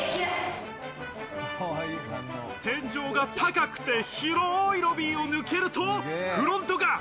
天井が高くて広いロビーを抜けるとフロントが。